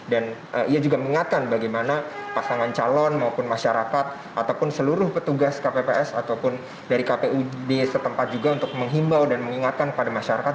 dan ia juga mengingatkan bagaimana pasangan calon maupun masyarakat ataupun seluruh petugas kpps ataupun dari kpud setempat juga untuk menghimbau dan mengingatkan pada masyarakat